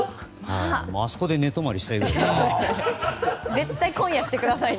あそこで寝泊まりしたいくらい。